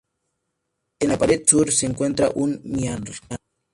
En la pared sur se encuentra un mihrab.